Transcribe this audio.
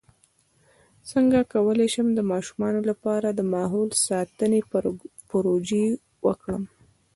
څنګه کولی شم د ماشومانو لپاره د ماحول ساتنې پروژې وکړم